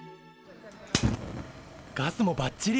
ガスもばっちり。